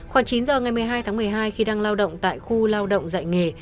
khoảng chín giờ ngày một mươi hai tháng một mươi hai khi đang lao động tại khu lao động dạy nghề